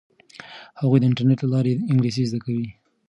هغوی د انټرنیټ له لارې انګلیسي زده کوي.